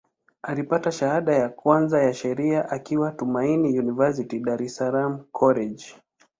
Alipata shahada ya kwanza ya Sheria akiwa Tumaini University, Dar es Salaam College.